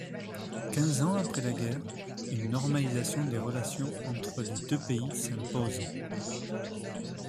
Quinze ans après la guerre, une normalisation des relations entre les deux pays s’impose.